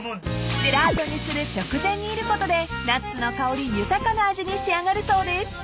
［ジェラートにする直前にいることでナッツの香り豊かな味に仕上がるそうです］